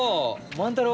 万太郎！